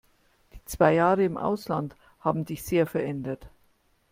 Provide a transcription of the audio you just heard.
Die zwei Jahre im Ausland haben dich sehr verändert.